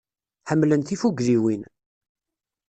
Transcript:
Ḥemmlen tifugliwin.